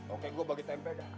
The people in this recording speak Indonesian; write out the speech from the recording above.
oke gue bagi tempe gak